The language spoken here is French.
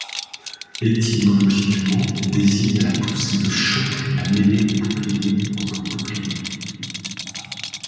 Étymologiquement, désigne la poussée, le choc, la mêlée bouclier contre bouclier.